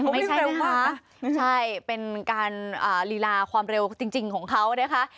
ไม่ใช่ลูกค้าใช่เป็นการลีลาความเร็วจริงของเขานะคะ